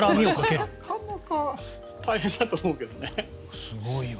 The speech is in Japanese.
なかなか大変だと思うけどね。